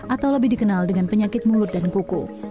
atau lebih dikenal dengan penyakit mulut dan kuku